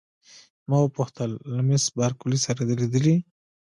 ما وپوښتل: له مس بارکلي سره دي لیدلي؟